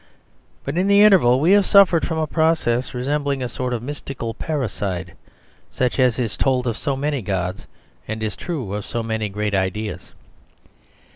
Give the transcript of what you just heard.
But in the interval we have suffered from a process resembling a sort of mystical parricide, such as is told of so many gods, and is true of so many great ideas.